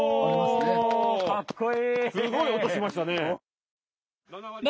すごい音しましたね。